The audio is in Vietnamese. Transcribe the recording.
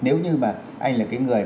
nếu như mà anh là cái người